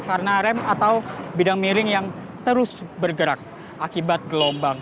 karena rem atau bidang miring yang terus bergerak akibat gelombang